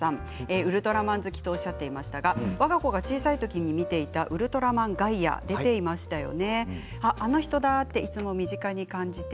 ウルトラマン好きとおっしゃっていましたがわが子が小さい時に見ていた「ウルトラマンガイア」に出ていましたよね